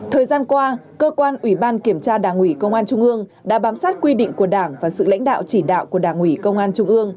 thời gian qua cơ quan ủy ban kiểm tra đảng ủy công an trung ương đã bám sát quy định của đảng và sự lãnh đạo chỉ đạo của đảng ủy công an trung ương